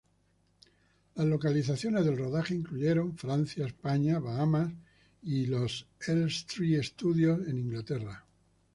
Las localizaciones del rodaje incluyeron Francia, España, Bahamas y los Elstree Studios en Inglaterra.